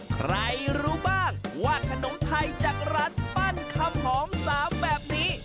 ใครรู้บ้างว่าขนมไทยจากร้านปั้นคำหอม๓แบบนี้